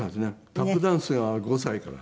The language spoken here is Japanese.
タップダンスが５歳から。